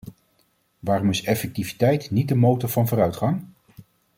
Waarom is effectiviteit niet de motor van vooruitgang?